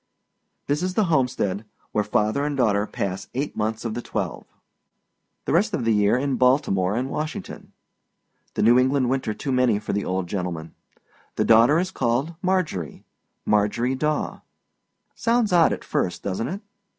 This is the homestead, where father and daughter pass eight months of the twelve; the rest of the year in Baltimore and Washington. The New England winter too many for the old gentleman. The daughter is called Marjorie Marjorie Daw. Sounds odd at first, doesnât it?